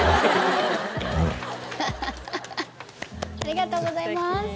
ハハハハありがとうございます！